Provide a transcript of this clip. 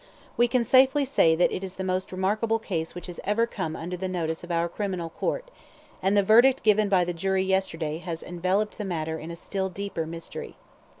We can safely say that it is the most remarkable case which has ever come under the notice of our Criminal Court, and the verdict given by the jury yesterday has enveloped the matter in a still deeper mystery.